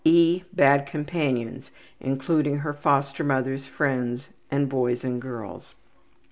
(e) Bad companions, including her foster mother's friends, and boys and girls.